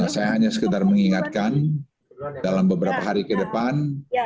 saya hanya sekedar mengingatkan dalam beberapa hari ke depan